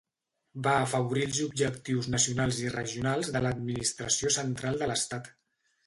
Va afavorir els objectius nacionals i regionals de l"administració central de l"estat.